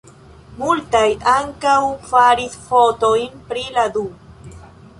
Multaj ankaŭ faris fotojn pri la du.